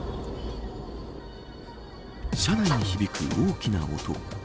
車内に響く大きな音。